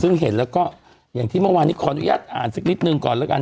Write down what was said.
ซึ่งเห็นแล้วก็อย่างที่เมื่อวานนี้ขออนุญาตอ่านสักนิดหนึ่งก่อนแล้วกัน